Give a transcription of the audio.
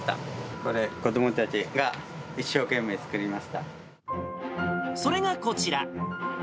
これ、子どもたちが一生懸命作りそれがこちら。